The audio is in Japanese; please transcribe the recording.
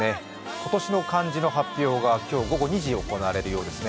今年の漢字の発表が今日午後２時に行われるようですね。